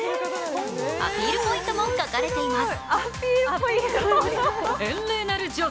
アピールポイントも書かれています。